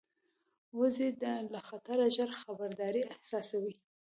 وزې له خطره ژر خبرداری احساسوي